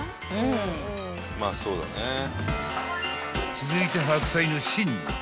［続いて白菜の芯の方］